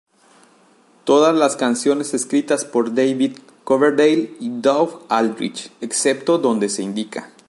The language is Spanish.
Todas las canciones escritas por David Coverdale y Doug Aldrich, excepto donde se indica.